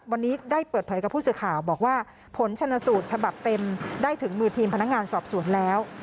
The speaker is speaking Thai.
วันนี้ได้เปิดเผยกับผู้สื่อข่าวบอกว่าผลชนสูตรฉบับเต็มได้ถึงมือทีมพนักงานสอบสวนแล้ว